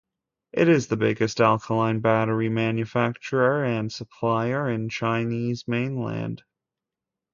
It is the biggest alkaline battery manufacturer and supplier in Chinese mainland.